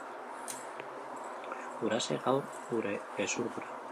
Huraxe gaur gure hezurdura.